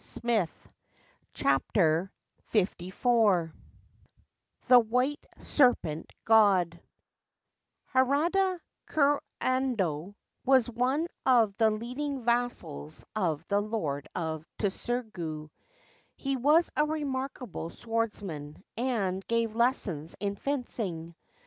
335 LIV THE WHITE SERPENT GOD HARADA KURANDO was one of the leading vassals of the Lord of Tsugaru. He was a remarkable swordsman, and gave lessons in fencing.